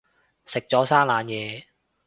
食咗生冷嘢